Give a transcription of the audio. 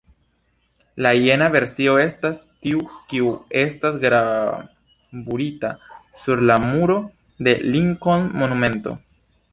La jena versio estas tiu kiu estas gravurita sur la muro de la Lincoln-monumento.